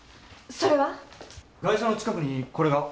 ガイシャの近くにこれが。